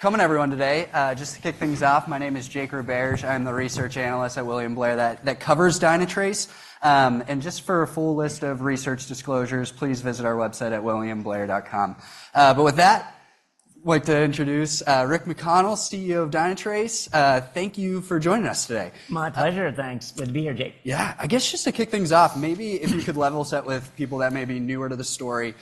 Welcome everyone today. Just to kick things off, my name is Jake Roberge. I'm the research analyst at William Blair, that covers Dynatrace. And just for a full list of research disclosures, please visit our website at williamblair.com. But with that, I'd like to introduce Rick McConnell, CEO of Dynatrace. Thank you for joining us today. My pleasure, thanks. Good to be here, Jake. Yeah. I guess just to kick things off, maybe if you could level set with people that may be newer to the story.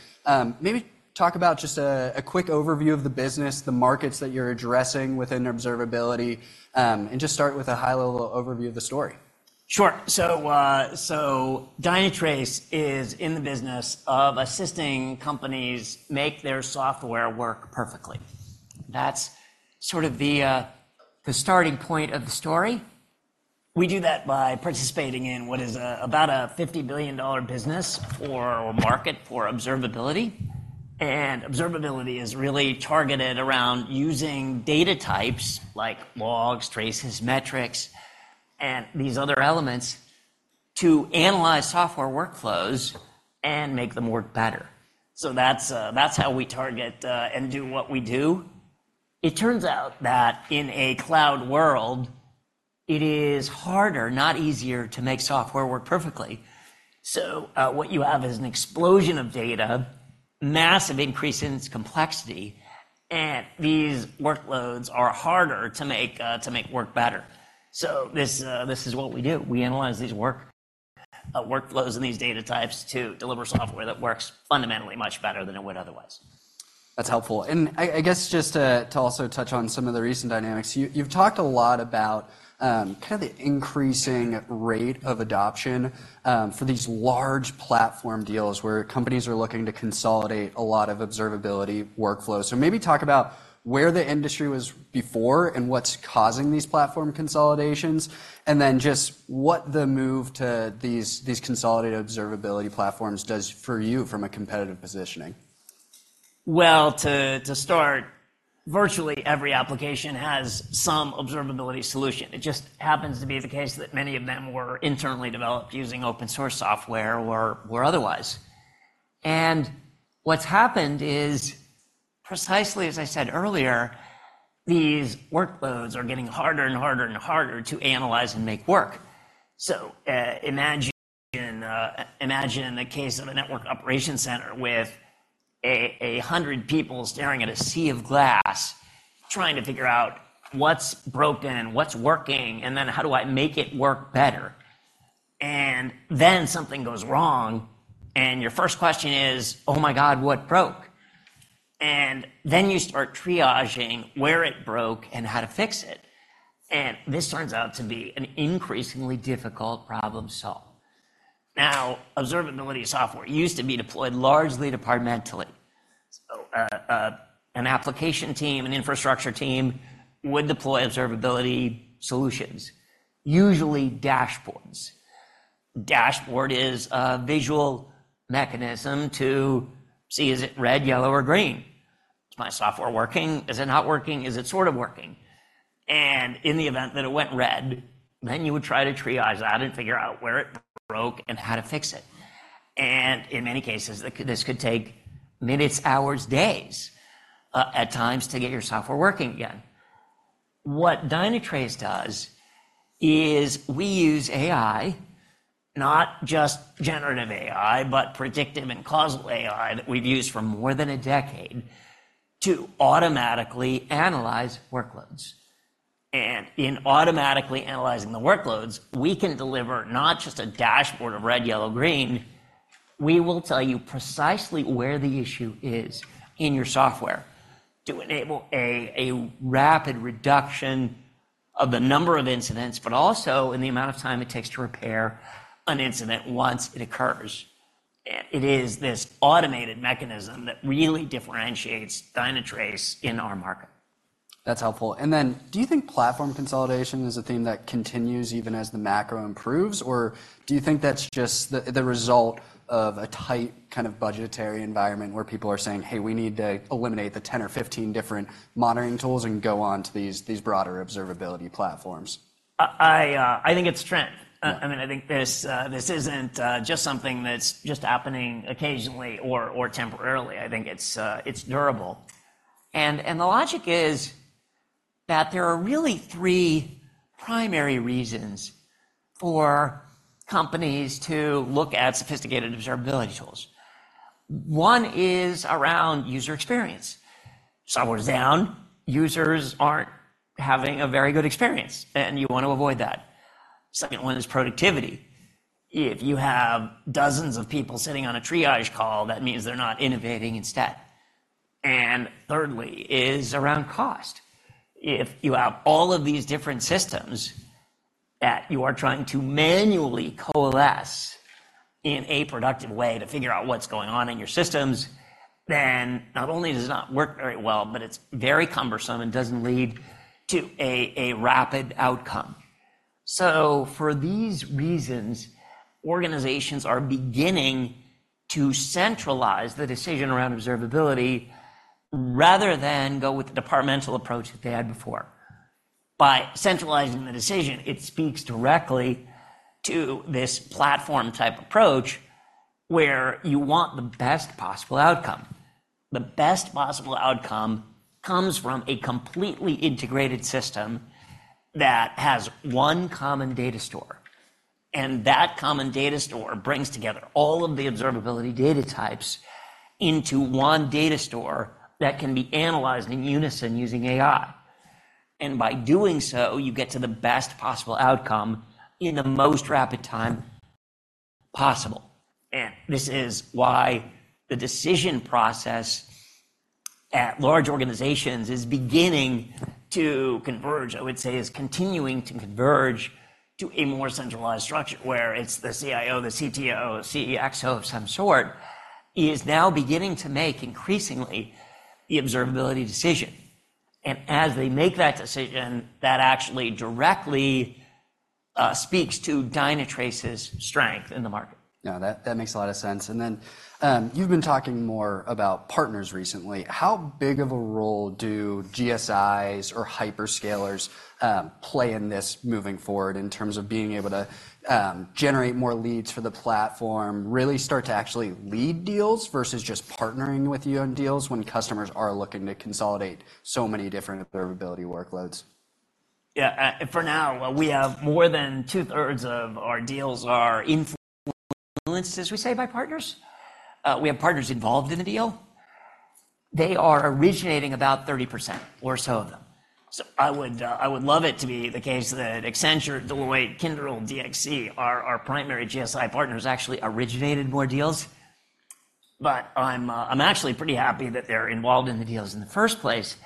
Maybe talk about just a quick overview of the business, the markets that you're addressing within observability, and just start with a high-level overview of the story. Sure. So, Dynatrace is in the business of assisting companies make their software work perfectly. That's sort of the starting point of the story. We do that by participating in what is about a $50 billion business or market for observability. And observability is really targeted around using data types like logs, traces, metrics, and these other elements to analyze software workflows and make them work better. So that's how we target and do what we do. It turns out that in a cloud world, it is harder, not easier, to make software work perfectly. So, what you have is an explosion of data, massive increase in its complexity, and these workloads are harder to make to make work better. So this is what we do. We analyze these workflows and these data types to deliver software that works fundamentally much better than it would otherwise. That's helpful. I guess just to also touch on some of the recent dynamics, you've talked a lot about kind of the increasing rate of adoption for these large platform deals, where companies are looking to consolidate a lot of observability workflows. So maybe talk about where the industry was before, and what's causing these platform consolidations, and then just what the move to these consolidated observability platforms does for you from a competitive positioning. Well, to start, virtually every application has some observability solution. It just happens to be the case that many of them were internally developed using open-source software or otherwise. And what's happened is, precisely as I said earlier, these workloads are getting harder and harder and harder to analyze and make work. So, imagine the case of a network operation center with 100 people staring at a sea of glass, trying to figure out what's broken, what's working, and then, how do I make it work better? And then something goes wrong, and your first question is: "Oh, my God, what broke?" And then you start triaging where it broke and how to fix it, and this turns out to be an increasingly difficult problem to solve. Now, observability software used to be deployed largely departmentally. So, an application team, an infrastructure team would deploy observability solutions, usually dashboards. Dashboard is a visual mechanism to see, is it red, yellow, or green? Is my software working? Is it not working? Is it sort of working? And in the event that it went red, then you would try to triage that and figure out where it broke and how to fix it. And in many cases, this could take minutes, hours, days, at times, to get your software working again. What Dynatrace does is we use AI, not just generative AI, but predictive and causal AI, that we've used for more than a decade, to automatically analyze workloads. In automatically analyzing the workloads, we can deliver not just a dashboard of red, yellow, green. We will tell you precisely where the issue is in your software to enable a rapid reduction of the number of incidents, but also in the amount of time it takes to repair an incident once it occurs. It is this automated mechanism that really differentiates Dynatrace in our market. That's helpful. And then, do you think platform consolidation is a theme that continues even as the macro improves, or do you think that's just the result of a tight kind of budgetary environment, where people are saying: "Hey, we need to eliminate the 10 or 15 different monitoring tools and go on to these broader observability platforms? I think it's a trend. Yeah. I mean, I think this, this isn't just something that's just happening occasionally or temporarily. I think it's durable. And the logic is that there are really three primary reasons for companies to look at sophisticated observability tools. One is around user experience. Software is down, users aren't having a very good experience, and you want to avoid that. Second one is productivity. If you have dozens of people sitting on a triage call, that means they're not innovating instead. And thirdly is around cost. If you have all of these different systems that you are trying to manually coalesce in a productive way to figure out what's going on in your systems, then not only does it not work very well, but it's very cumbersome and doesn't lead to a rapid outcome. So for these reasons, organizations are beginning to centralize the decision around observability rather than go with the departmental approach that they had before. By centralizing the decision, it speaks directly to this platform-type approach, where you want the best possible outcome. The best possible outcome comes from a completely integrated system that has one common data store, and that common data store brings together all of the observability data types into one data store that can be analyzed in unison using AI. And by doing so, you get to the best possible outcome in the most rapid time possible. And this is why the decision process at large organizations is beginning to converge, I would say, is continuing to converge to a more centralized structure, where it's the CIO, the CTO, CEO of some sort, is now beginning to make increasingly the observability decision. As they make that decision, that actually directly speaks to Dynatrace's strength in the market. Yeah, that, that makes a lot of sense. Then, you've been talking more about partners recently. How big of a role do GSIs or hyperscalers play in this moving forward, in terms of being able to generate more leads for the platform, really start to actually lead deals versus just partnering with you on deals when customers are looking to consolidate so many different observability workloads? Yeah, for now, we have more than two-thirds of our deals are influenced, as we say, by partners. We have partners involved in the deal. They are originating about 30% or so of them. So I would, I would love it to be the case that Accenture, Deloitte, Kyndryl, DXC, our primary GSI partners, actually originated more deals. But I'm actually pretty happy that they're involved in the deals in the first place,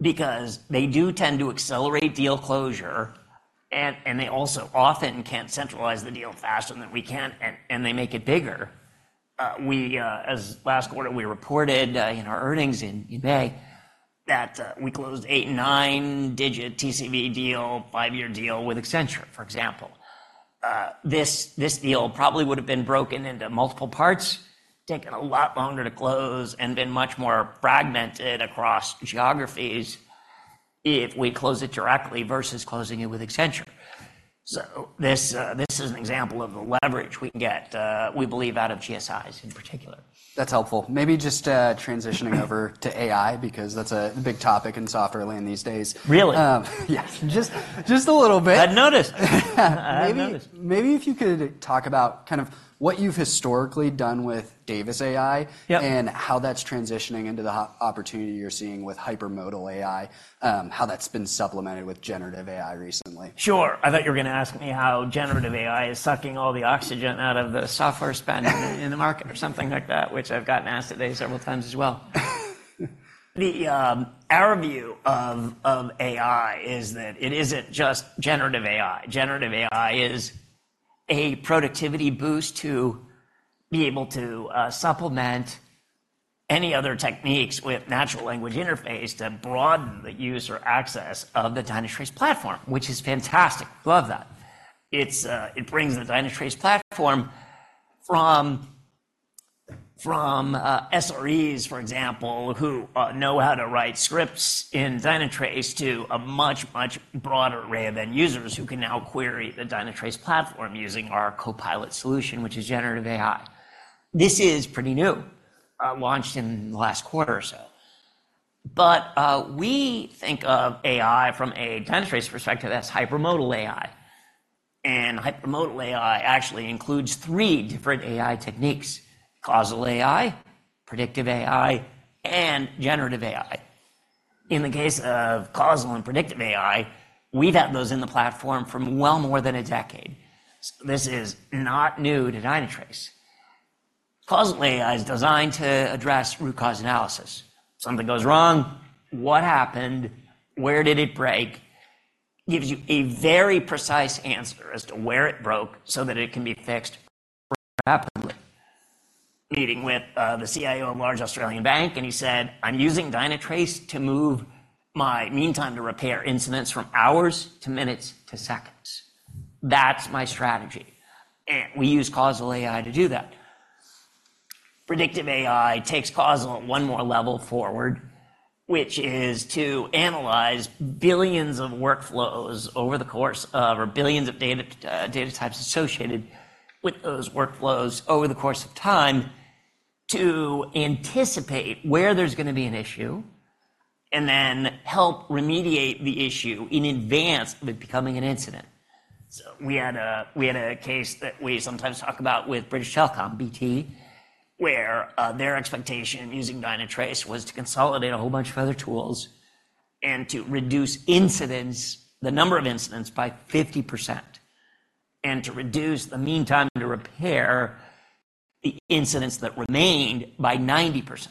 because they do tend to accelerate deal closure, and they also often can centralize the deal faster than we can, and they make it bigger. We, as last quarter, we reported in our earnings in May, that we closed a nine-digit TCV deal, five-year deal with Accenture, for example. This deal probably would have been broken into multiple parts, taken a lot longer to close, and been much more fragmented across geographies if we closed it directly versus closing it with Accenture. So this is an example of the leverage we get, we believe, out of GSIs in particular. That's helpful. Maybe just transitioning over to AI, because that's a big topic in software land these days. Really? Yes, just a little bit. I hadn't noticed. I hadn't noticed. Maybe, maybe if you could talk about kind of what you've historically done with Davis AI- Yeah. And how that's transitioning into the opportunity you're seeing with Hypermodal AI, how that's been supplemented with generative AI recently. Sure. I thought you were going to ask me how generative AI is sucking all the oxygen out of the software spend in the market or something like that, which I've gotten asked today several times as well. Our view of AI is that it isn't just generative AI. Generative AI is a productivity boost to be able to supplement any other techniques with natural language interface to broaden the user access of the Dynatrace platform, which is fantastic. Love that. It brings the Dynatrace platform from SREs, for example, who know how to write scripts in Dynatrace, to a much, much broader array of end users who can now query the Dynatrace platform using our CoPilot solution, which is generative AI. This is pretty new, launched in the last quarter or so. But we think of AI from a Dynatrace perspective as Hypermodal AI, and Hypermodal AI actually includes three different AI techniques: causal AI, predictive AI, and generative AI. In the case of causal and predictive AI, we've had those in the platform for well more than a decade. This is not new to Dynatrace. Causal AI is designed to address root cause analysis. Something goes wrong, what happened? Where did it broke? Gives you a very precise answer as to where it broke so that it can be fixed rapidly. Meeting with the CIO of a large Australian bank, and he said, "I'm using Dynatrace to move my mean time to repair incidents from hours to minutes to seconds. That's my strategy." And we use causal AI to do that. Predictive AI takes causal one more level forward, which is to analyze billions of workflows over the course of, or billions of data, data types associated with those workflows over the course of time, to anticipate where there's going to be an issue and then help remediate the issue in advance of it becoming an incident. So we had a case that we sometimes talk about with British Telecom, BT, where their expectation of using Dynatrace was to consolidate a whole bunch of other tools and to reduce incidents, the number of incidents, by 50%, and to reduce the meantime to repair the incidents that remained by 90%.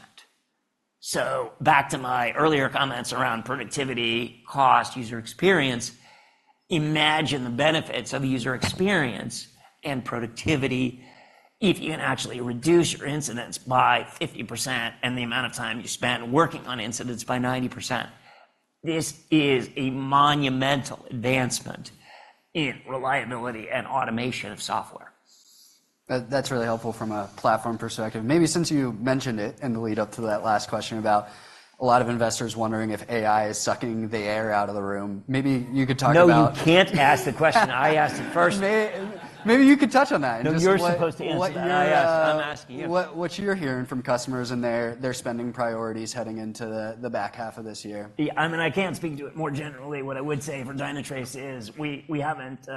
Back to my earlier comments around productivity, cost, user experience. Imagine the benefits of user experience and productivity if you can actually reduce your incidents by 50% and the amount of time you spend working on incidents by 90%. This is a monumental advancement in reliability and automation of software.... That's really helpful from a platform perspective. Maybe since you mentioned it in the lead-up to that last question about a lot of investors wondering if AI is sucking the air out of the room, maybe you could talk about- No, you can't ask the question. I asked it first. Maybe you could touch on that and just what- No, you're supposed to answer that. What, uh- I'm asking you. What you're hearing from customers and their spending priorities heading into the back half of this year. Yeah, I mean, I can't speak to it more generally. What I would say for Dynatrace is we haven't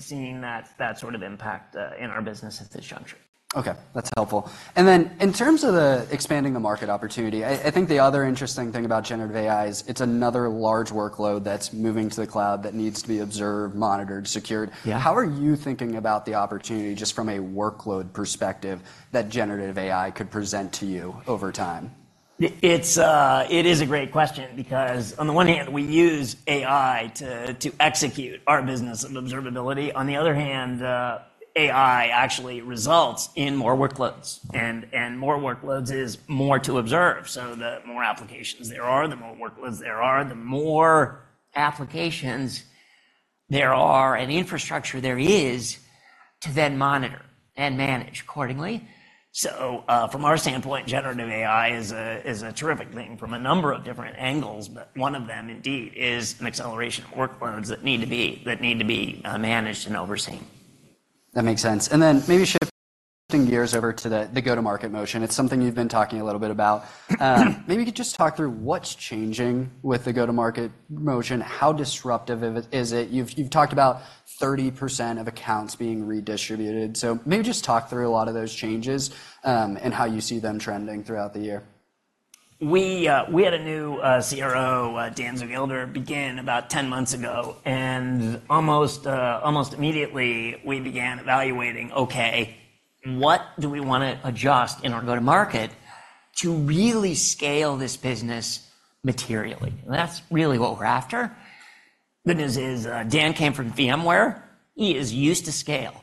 seen that sort of impact in our business at this juncture. Okay, that's helpful. And then in terms of expanding the market opportunity, I think the other interesting thing about generative AI is it's another large workload that's moving to the cloud that needs to be observed, monitored, secured. Yeah. How are you thinking about the opportunity, just from a workload perspective, that generative AI could present to you over time? It is a great question because on the one hand, we use AI to execute our business of observability. On the other hand, AI actually results in more workloads, and more workloads is more to observe. So the more applications there are, the more workloads there are, the more applications there are and infrastructure there is to then monitor and manage accordingly. So, from our standpoint, generative AI is a terrific thing from a number of different angles, but one of them indeed is an acceleration of workloads that need to be managed and overseen. That makes sense. And then maybe shifting, shifting gears over to the, the go-to-market motion. It's something you've been talking a little bit about. Maybe you could just talk through what's changing with the go-to-market motion. How disruptive is it? You've, you've talked about 30% of accounts being redistributed, so maybe just talk through a lot of those changes, and how you see them trending throughout the year. We had a new CRO, Dan Zugelder, begin about 10 months ago, and almost immediately, we began evaluating, okay, what do we wanna adjust in our go-to-market to really scale this business materially? And that's really what we're after. The good news is, Dan came from VMware. He is used to scale,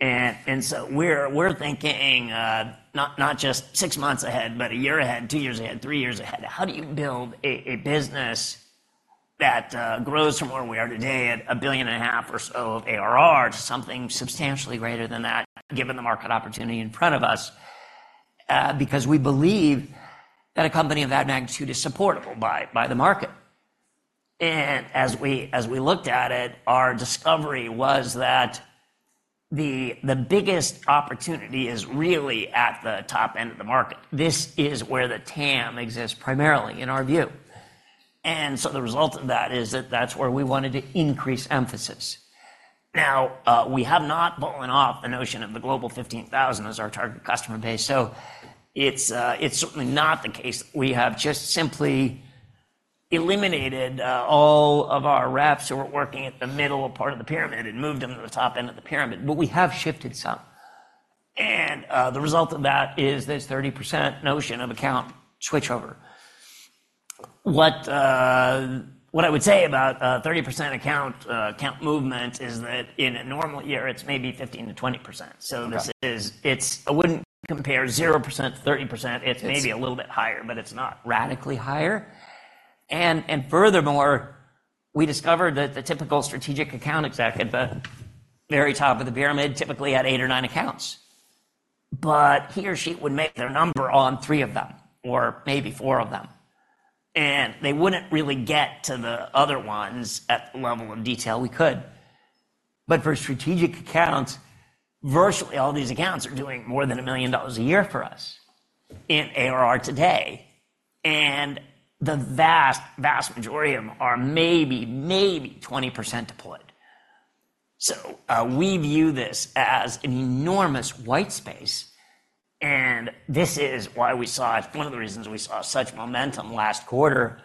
and so we're thinking not just six months ahead, but a year ahead, two years ahead, three years ahead. How do you build a business that grows from where we are today at $1.5 billion or so of ARR to something substantially greater than that, given the market opportunity in front of us? Because we believe that a company of that magnitude is supportable by the market. And as we looked at it, our discovery was that the biggest opportunity is really at the top end of the market. This is where the TAM exists, primarily in our view. And so the result of that is that that's where we wanted to increase emphasis. Now, we have not fallen off the notion of the Global 15,000 as our target customer base, so it's certainly not the case. We have just simply eliminated all of our reps who were working at the middle part of the pyramid and moved them to the top end of the pyramid. But we have shifted some, and the result of that is this 30% notion of account switchover. What I would say about 30% account movement is that in a normal year, it's maybe 15%-20%. Okay. I wouldn't compare 0% to 30%. It's- It's maybe a little bit higher, but it's not radically higher. And, and furthermore, we discovered that the typical strategic account exec at the very top of the pyramid typically had 8 or 9 accounts, but he or she would make their number on 3 of them, or maybe 4 of them, and they wouldn't really get to the other ones at the level of detail we could. But for strategic accounts, virtually all these accounts are doing more than $1 million a year for us in ARR today, and the vast, vast majority of them are maybe, maybe 20% deployed. So, we view this as an enormous white space, and this is why we saw, it's one of the reasons we saw such momentum last quarter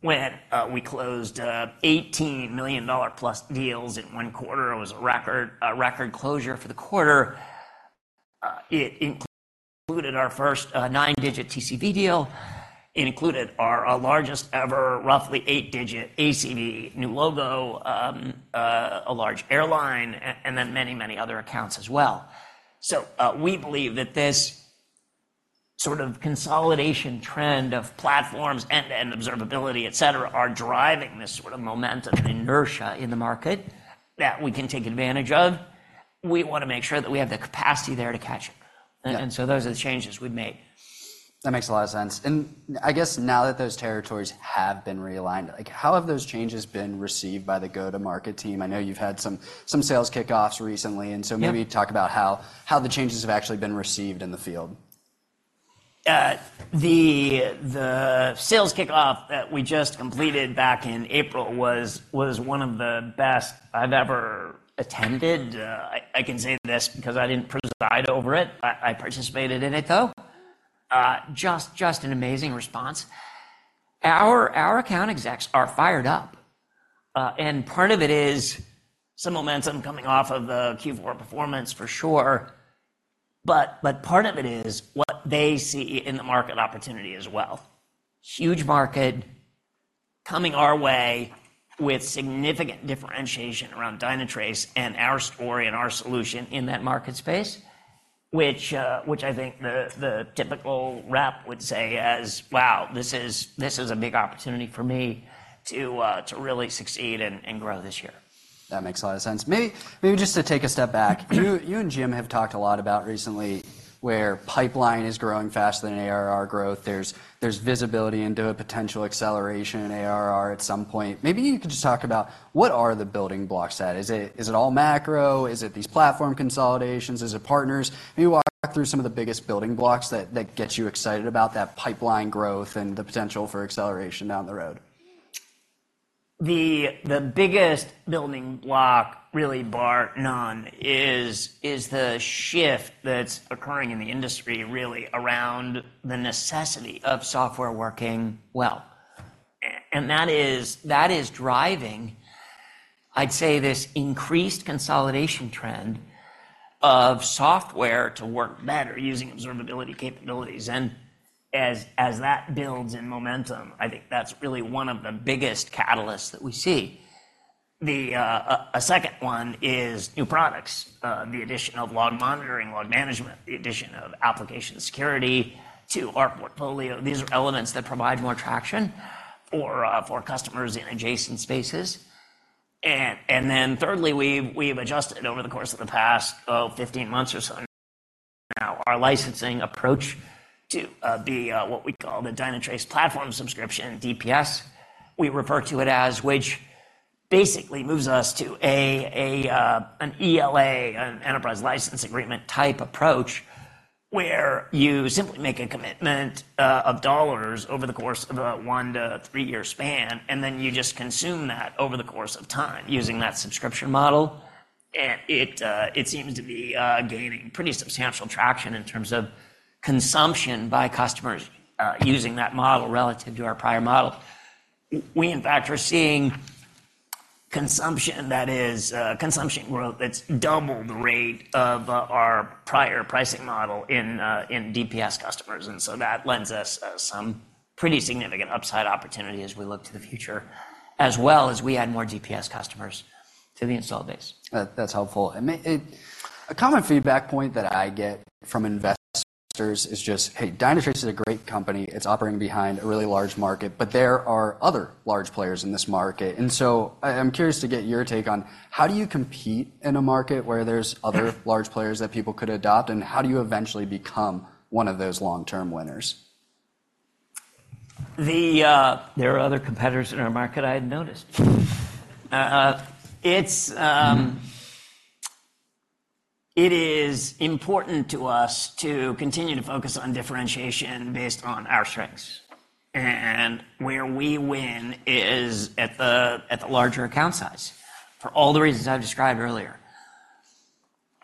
when we closed $18 million-plus deals in one quarter. It was a record, a record closure for the quarter. It included our first nine-digit TCV deal. It included our largest ever, roughly eight-digit ACV, new logo, a large airline, and then many, many other accounts as well. So, we believe that this sort of consolidation trend of platforms and observability, et cetera, are driving this sort of momentum and inertia in the market that we can take advantage of. We wanna make sure that we have the capacity there to catch it. Yeah. So those are the changes we've made. That makes a lot of sense. And I guess now that those territories have been realigned, like, how have those changes been received by the go-to-market team? I know you've had some sales kickoffs recently, and so- Yeah... maybe talk about how the changes have actually been received in the field. The sales kickoff that we just completed back in April was one of the best I've ever attended. I can say this because I didn't preside over it. I participated in it, though. Just an amazing response. Our account execs are fired up, and part of it is some momentum coming off of the Q4 performance for sure, but part of it is what they see in the market opportunity as well. Huge market coming our way with significant differentiation around Dynatrace and our story and our solution in that market space, which I think the typical rep would say as, "Wow, this is a big opportunity for me to really succeed and grow this year. That makes a lot of sense. Maybe just to take a step back, you and Jim have talked a lot about recently where pipeline is growing faster than ARR growth. There's visibility into a potential acceleration in ARR at some point. Maybe you could just talk about what are the building blocks that? Is it all macro? Is it these platform consolidations? Is it partners? Maybe walk through some of the biggest building blocks that gets you excited about that pipeline growth and the potential for acceleration down the road. The biggest building block, really, bar none, is the shift that's occurring in the industry really around the necessity of software working well. And that is driving, I'd say, this increased consolidation trend of software to work better using observability capabilities. And as that builds in momentum, I think that's really one of the biggest catalysts that we see. The second one is new products, the addition of log monitoring, log management, the addition of application security to our portfolio. These are elements that provide more traction for customers in adjacent spaces. Then thirdly, we've adjusted over the course of the past 15 months or so now our licensing approach to what we call the Dynatrace Platform Subscription, DPS, we refer to it as, which basically moves us to an ELA, an enterprise license agreement-type approach, where you simply make a commitment of dollars over the course of a 1-3-year span, and then you just consume that over the course of time using that subscription model. It seems to be gaining pretty substantial traction in terms of consumption by customers using that model relative to our prior model. We, in fact, are seeing consumption that is consumption growth that's double the rate of our prior pricing model in DPS customers, and so that lends us some pretty significant upside opportunity as we look to the future, as well as we add more DPS customers to the install base. That's helpful. A common feedback point that I get from investors is just, "Hey, Dynatrace is a great company. It's operating behind a really large market, but there are other large players in this market." And so I, I'm curious to get your take on, how do you compete in a market where there's other large players that people could adopt, and how do you eventually become one of those long-term winners? There are other competitors in our market, I had noticed. It is important to us to continue to focus on differentiation based on our strengths, and where we win is at the larger account size, for all the reasons I've described earlier.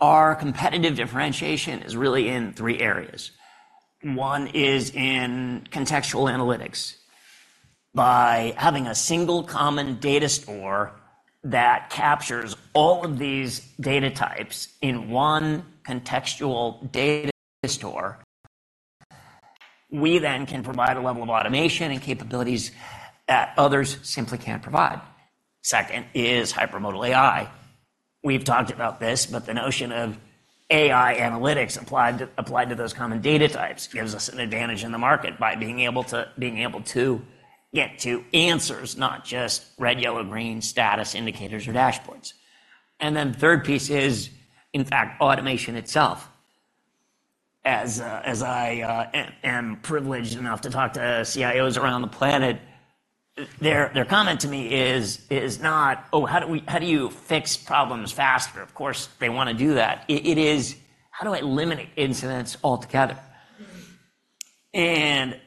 Our competitive differentiation is really in three areas. One is in contextual analytics. By having a single common data store that captures all of these data types in one contextual data store, we then can provide a level of automation and capabilities that others simply can't provide. Second is Hypermodal AI. We've talked about this, but the notion of AI analytics applied to those common data types gives us an advantage in the market by being able to get to answers, not just red, yellow, green status indicators or dashboards. And then the third piece is, in fact, automation itself. As I am privileged enough to talk to CIOs around the planet, their comment to me is not, "Oh, how do you fix problems faster?" Of course, they wanna do that. It is: "How do I eliminate incidents altogether?" And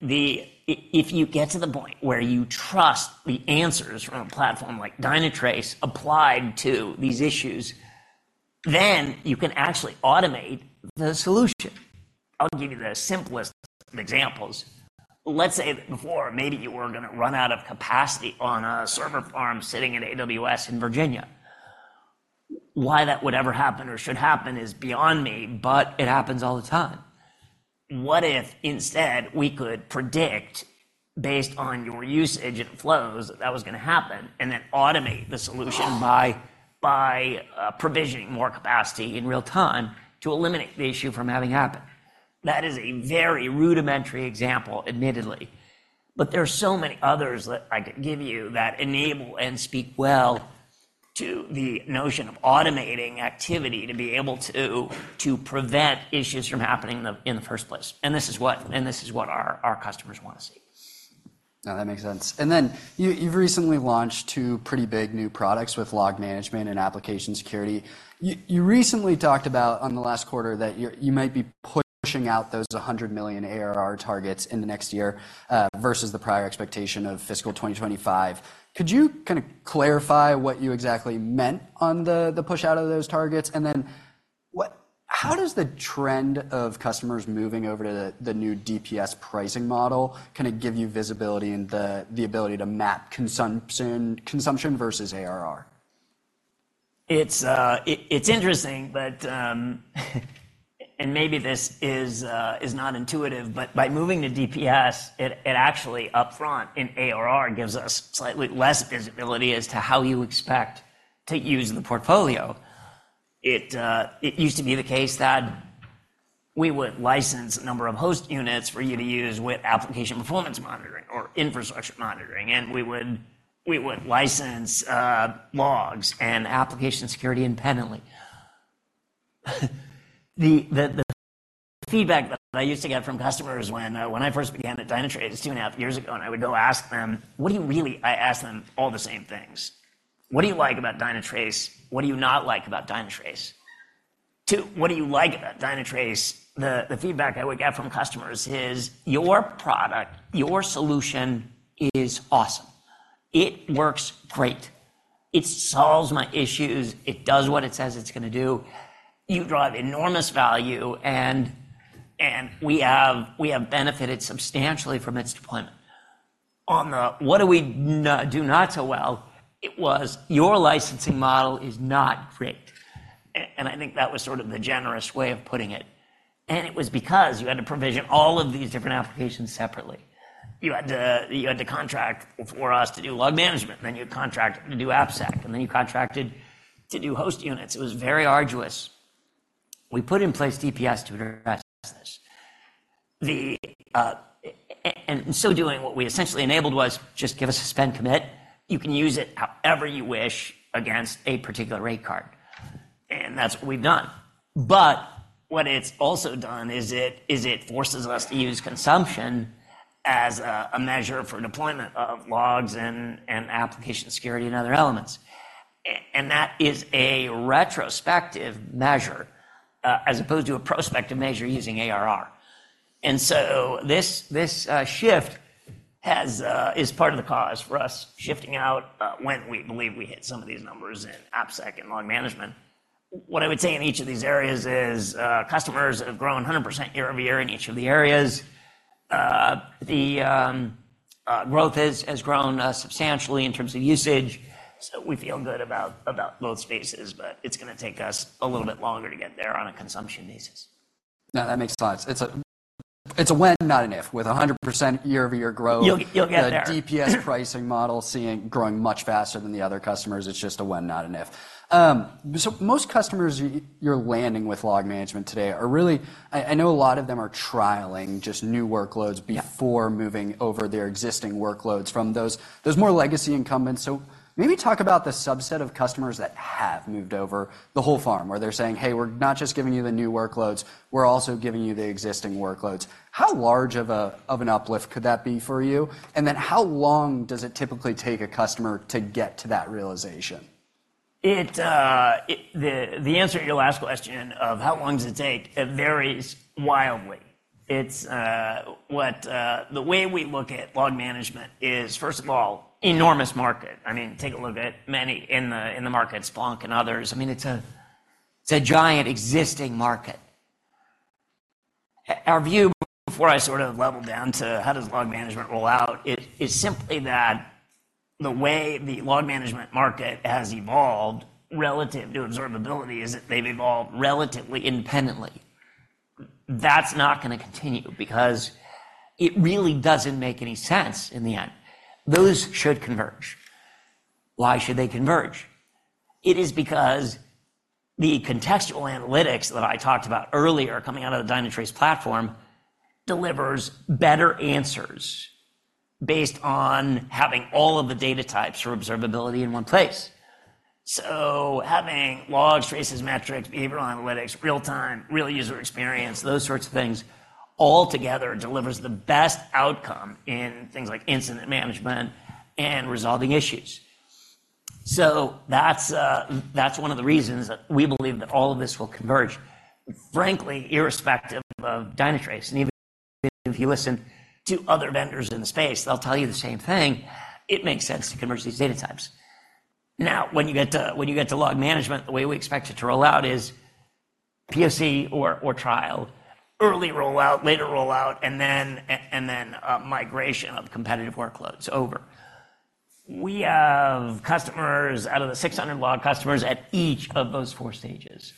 if you get to the point where you trust the answers from a platform like Dynatrace applied to these issues, then you can actually automate the solution. I'll give you the simplest of examples. Let's say that before maybe you were gonna run out of capacity on a server farm sitting in AWS in Virginia. Why that would ever happen or should happen is beyond me, but it happens all the time. What if, instead, we could predict, based on your usage and flows, that that was gonna happen, and then automate the solution by provisioning more capacity in real time to eliminate the issue from having happened? That is a very rudimentary example, admittedly, but there are so many others that I could give you that enable and speak well to the notion of automating activity to be able to prevent issues from happening in the first place, and this is what our customers wanna see. No, that makes sense. Then, you've recently launched two pretty big new products with log management and application security. You recently talked about on the last quarter that you might be pushing out those $100 million ARR targets in the next year versus the prior expectation of fiscal 2025. Could you kinda clarify what you exactly meant on the push-out of those targets? Then how does the trend of customers moving over to the new DPS pricing model kinda give you visibility and the ability to map consumption versus ARR? It's interesting, but and maybe this is not intuitive, but by moving to DPS, it actually upfront in ARR gives us slightly less visibility as to how you expect... to use the portfolio. It used to be the case that we would license a number of host units for you to use with application performance monitoring or infrastructure monitoring, and we would license logs and application security independently. The feedback that I used to get from customers when I first began at Dynatrace two and a half years ago, and I would go ask them: What do you really... I asked them all the same things. What do you like about Dynatrace? What do you not like about Dynatrace? Two, what do you like about Dynatrace? The feedback I would get from customers is, "Your product, your solution, is awesome. It works great. It solves my issues. It does what it says it's gonna do. You drive enormous value, and, and we have, we have benefited substantially from its deployment." On what we do not do so well, it was, "Your licensing model is not great." And I think that was sort of the generous way of putting it, and it was because you had to provision all of these different applications separately. You had to, you had to contract for us to do log management, and then you had to contract to do AppSec, and then you contracted to do host units. It was very arduous. We put in place DPS to address this. And in so doing, what we essentially enabled was, just give us a spend commit, you can use it however you wish against a particular rate card, and that's what we've done. But what it's also done is it forces us to use consumption as a measure for deployment of logs and application security and other elements. And that is a retrospective measure, as opposed to a prospective measure using ARR. And so this shift is part of the cause for us shifting out, when we believe we hit some of these numbers in AppSec and log management. What I would say in each of these areas is, customers have grown 100% year-over-year in each of the areas. The growth has grown substantially in terms of usage, so we feel good about both spaces, but it's gonna take us a little bit longer to get there on a consumption basis. No, that makes sense. It's a when, not an if, with 100% year-over-year growth- You'll get there.... The DPS pricing model seeing growing much faster than the other customers, it's just a when, not an if. So most customers you're landing with log management today are really... I know a lot of them are trialing just new workloads- Yeah... before moving over their existing workloads from those more legacy incumbents. So maybe talk about the subset of customers that have moved over the whole farm, where they're saying: Hey, we're not just giving you the new workloads, we're also giving you the existing workloads. How large of an uplift could that be for you, and then how long does it typically take a customer to get to that realization? The answer to your last question, of how long does it take? It varies wildly. It's... The way we look at log management is, first of all, enormous market. I mean, take a look at many in the market, Splunk and others. I mean, it's a giant existing market. Our view, before I sort of level down to how does log management roll out, is simply that the way the log management market has evolved relative to observability is that they've evolved relatively independently. That's not gonna continue, because it really doesn't make any sense in the end. Those should converge. Why should they converge? It is because the contextual analytics that I talked about earlier, coming out of the Dynatrace platform, delivers better answers based on having all of the data types for observability in one place. So having logs, traces, metrics, behavioral analytics, real-time, real user experience, those sorts of things all together delivers the best outcome in things like incident management and resolving issues. So that's, that's one of the reasons that we believe that all of this will converge, frankly, irrespective of Dynatrace, and even if you listen to other vendors in the space, they'll tell you the same thing. It makes sense to converge these data types. Now, when you get to log management, the way we expect it to roll out is POC or trial, early rollout, later rollout, and then a migration of competitive workloads over. We have customers, out of the 600 log customers, at each of those four stages,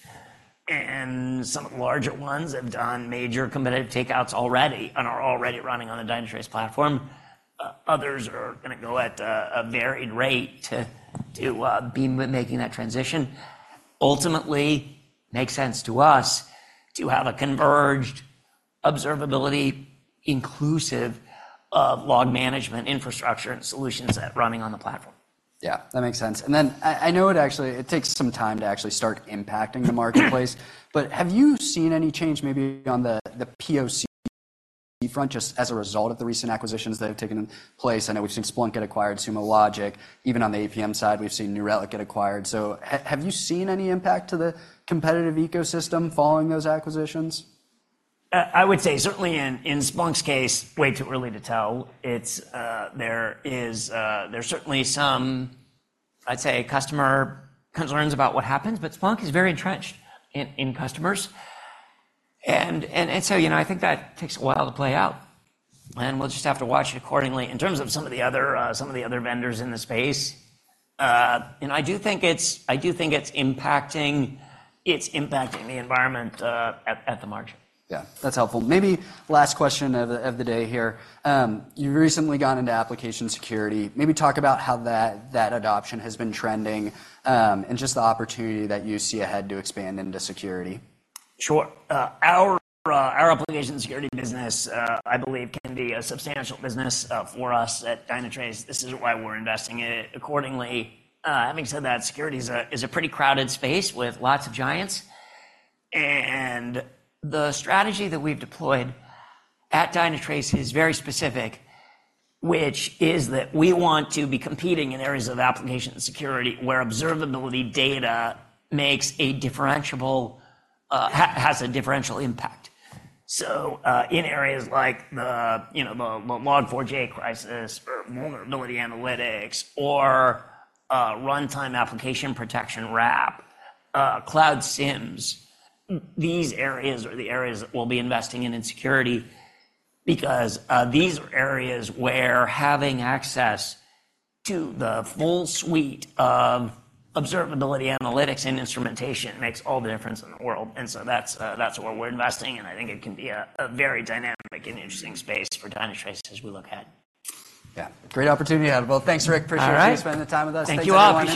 and some of the larger ones have done major competitive takeouts already and are already running on the Dynatrace platform. Others are gonna go at a varied rate to be with making that transition. Ultimately, makes sense to us to have a converged observability inclusive of log management infrastructure and solutions set running on the platform. Yeah, that makes sense. And then I know it actually, it takes some time to actually start impacting the marketplace, but have you seen any change maybe on the POC front, just as a result of the recent acquisitions that have taken place? I know we've seen Splunk get acquired, Sumo Logic. Even on the APM side, we've seen New Relic get acquired. So have you seen any impact to the competitive ecosystem following those acquisitions? I would say certainly in, in Splunk's case, way too early to tell. It's, there is, there's certainly some, I'd say, customer concerns about what happens, but Splunk is very entrenched in, in customers. And, and so, you know, I think that takes a while to play out, and we'll just have to watch it accordingly. In terms of some of the other, some of the other vendors in the space, you know, I do think it's, I do think it's impacting, it's impacting the environment, at, at the margin. Yeah, that's helpful. Maybe last question of the day here. You've recently gone into application security. Maybe talk about how that adoption has been trending, and just the opportunity that you see ahead to expand into security. Sure. Our, our application security business, I believe, can be a substantial business, for us at Dynatrace. This is why we're investing in it accordingly. Having said that, security is a pretty crowded space with lots of giants, and the strategy that we've deployed at Dynatrace is very specific, which is that we want to be competing in areas of application security where observability data makes a differentiable has a differentiable impact. So, in areas like the, you know, the Log4j crisis, or vulnerability analytics, or, runtime application protection, RAP, cloud SIEMs, these areas are the areas that we'll be investing in in security because, these are areas where having access to the full suite of observability, analytics, and instrumentation makes all the difference in the world, and so that's, that's where we're investing, and I think it can be a, a very dynamic and interesting space for Dynatrace as we look ahead. Yeah. Great opportunity ahead of both. Thanks, Rick. All right. Appreciate you spending the time with us. Thank you, Alan.